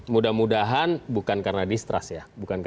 mudah mudahan bukan karena distrust ya